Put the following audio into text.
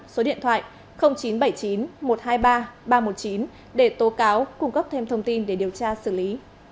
số điện thoại chín trăm bảy mươi chín một trăm hai mươi ba ba trăm một mươi chín để tố cáo cung cấp thêm thông tin để điều tra xử lý